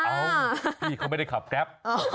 พี่เขาไม่ได้ขับแกรป